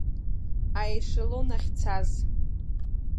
Аешелон ахьцаз!